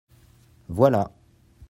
Voilà.